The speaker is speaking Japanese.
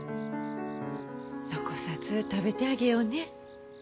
残さず食べてあげようね。